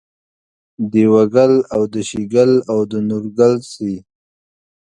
دېوه ګل او د شیګل او د نورګل سي